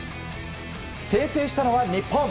先制したのは日本。